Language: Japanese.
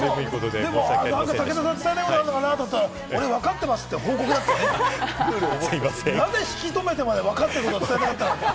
武田さん、伝えたいことあるのかなって思ったら、俺、わかってますって、なぜ引き止めてまで分かったことを言いたかったのか。